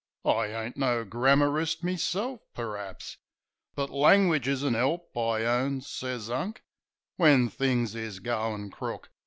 I ain't no grammarist meself, per'aps, But langwidge is a 'elp, I owns," sez Unk, "When things is goin' crook."